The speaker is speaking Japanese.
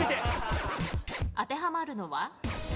当てはまるのは？